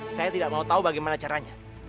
saya tidak mau tahu bagaimana caranya